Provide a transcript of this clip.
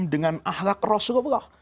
dengan ahlak rasulullah